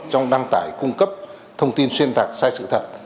trong đăng tải cung cấp thông tin xuyên tạc sai sự thật